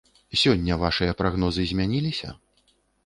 Сёння вашыя прагнозы змяніліся?